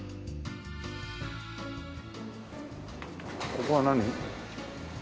ここは何？